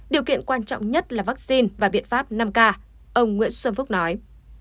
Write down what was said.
điều kiện quan trọng nhất là vaccine và biện pháp năm k ông nguyễn xuân phúc nói